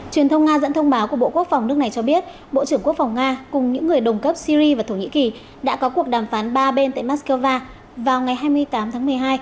truyền thông nga dẫn thông báo của bộ quốc phòng nước này cho biết bộ trưởng quốc phòng nga cùng những người đồng cấp syri và thổ nhĩ kỳ đã có cuộc đàm phán ba bên tại moscow vào ngày hai mươi tám tháng một mươi hai